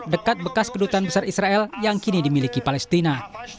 dekat bekas kedutaan besar israel yang kini dimiliki palestina